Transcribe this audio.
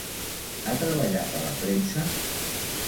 Ha treballat a la premsa?